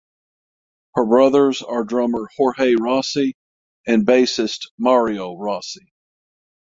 Her brothers are drummer Jorge Rossy and bassist Mario Rossy.